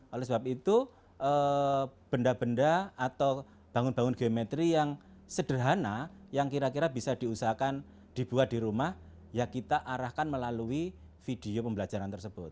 oleh sebab itu benda benda atau bangun bangun geometri yang sederhana yang kira kira bisa diusahakan dibuat di rumah ya kita arahkan melalui video pembelajaran tersebut